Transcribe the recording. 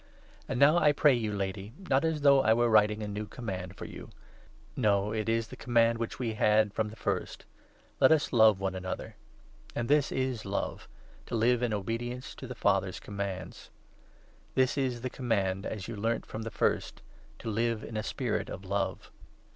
And now, I pray you, 5 Lady — not as though I were writing a new command for you ; no, it is the command which we had from the first — Let us love one another. And this is love — to live in obedience to the 6 Father's commands. This is the Command as you learnt from the first, to live in a spirit of love.